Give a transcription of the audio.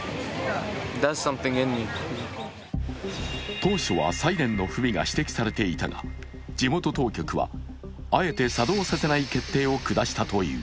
当初はサイレンの不備が指摘されていたが地元当局はあえて作動させない決定を下したという。